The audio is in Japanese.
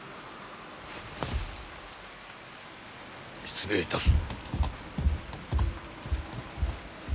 失礼いたす。